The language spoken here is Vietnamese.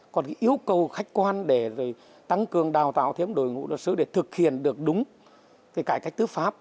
còn cái yêu cầu khách quan để tăng cường đào tạo thêm đội ngũ luật sư để thực hiện được đúng cái cải cách tư pháp